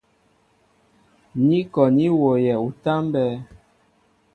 Ní kɔ ní wooyɛ utámbɛ́ɛ́.